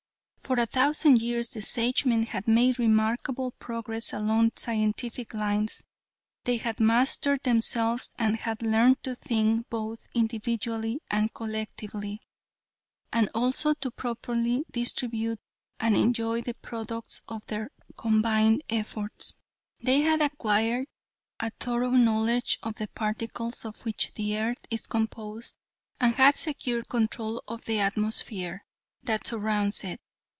"For a thousand years the Sagemen had made remarkable progress along scientific lines. They had mastered themselves, and had learned to think both individually and collectively; and also to properly distribute and enjoy the products of their combined efforts. They had acquired a thorough knowledge of the particles of which the earth is composed, and had secured control of the atmosphere that surrounds it.